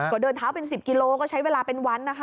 ก็เดินเท้าเป็น๑๐กิโลก็ใช้เวลาเป็นวันนะคะ